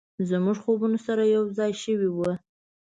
زموږ خوبونه سره یو ځای شوي و،